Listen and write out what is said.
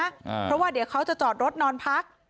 เพราะว่าเดี๋ยวเขาจะจอดรถนอนพัก